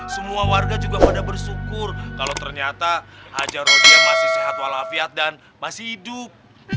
semua warga juga pada bersyukur kalau ternyata haji rodia and masih hidup